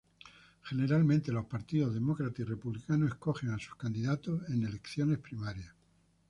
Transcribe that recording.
Generalmente, los partidos Demócrata y Republicano escogen a sus candidatos en elecciones primarias.